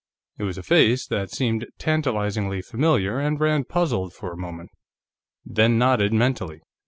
It was a face that seemed tantalizingly familiar, and Rand puzzled for a moment, then nodded mentally.